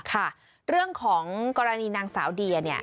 ค่ะเรื่องของกรณีนางสาวเดียเนี่ย